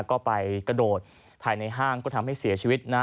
ก็ไปกระโดดภายในห้างก็ทำให้เสียชีวิตนะ